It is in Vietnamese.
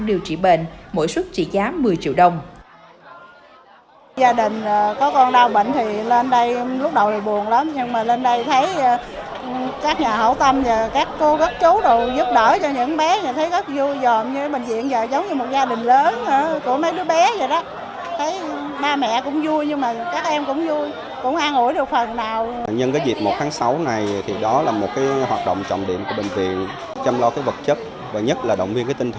điều trị bệnh mỗi xuất trị giá một mươi triệu đồng